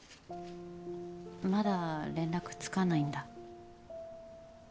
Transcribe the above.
まだ連絡つかないんだ。